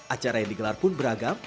acara yang digelar pun beragam